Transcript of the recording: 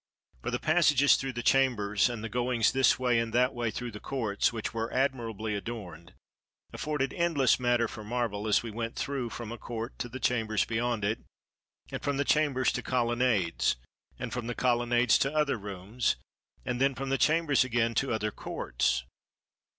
For the passages through the chambers, and the goings this way and that way through the courts, which were admirably adorned, afforded endless matter for marvel, as we went through from a court to the chambers beyond it, and from the chambers to colonnades, and from the colonnades to other rooms, and then from the chambers again to other courts.